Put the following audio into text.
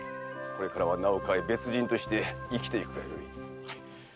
これからは名を変え別人として生きていくがよい。